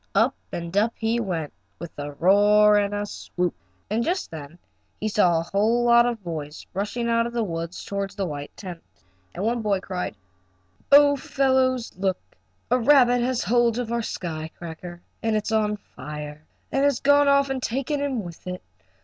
Up and up he went, with a roar and a swoop, and just then he saw a whole lot of boys rushing out of the woods toward the white tent. And one boy cried: "Oh, fellows, look! A rabbit has hold of our sky cracker and it's on fire and has gone off and taken him with it!